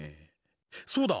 そうだ！